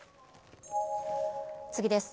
次です。